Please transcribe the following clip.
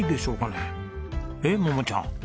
ねえ桃ちゃん。